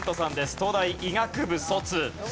東大医学部卒。